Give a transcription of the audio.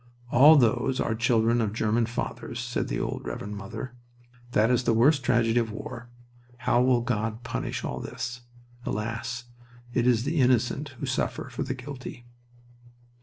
"All those are the children of German fathers," said the old Reverend Mother. "That is the worst tragedy of war. How will God punish all this? Alas! it is the innocent who suffer for the guilty."